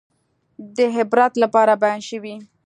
د عبرت لپاره بیان شوي.